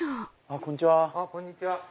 こんにちは。